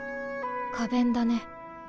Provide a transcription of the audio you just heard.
花弁だね。